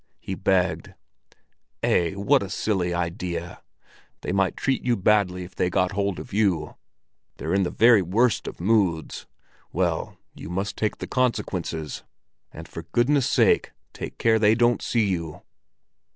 he begged. "Eh, what a silly idea! They might treat you badly if they got hold of you. They're in the very worst of moods. Well, you must take the consequences, and for goodness' sake take care they don't see you!"